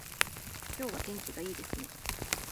今日は天気がいいですね